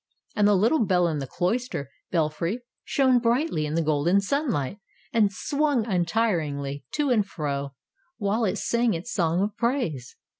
And the little bell in the cloister belfry shone brightly in the golden sunlight, and swung untiringly to and fro, while it sang its song of praise.